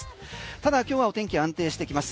ただ今日はお天気安定してきます。